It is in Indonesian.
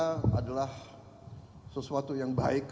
itu adalah sesuatu yang baik